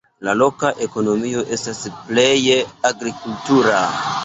La loka ekonomio estas pleje agrikultura.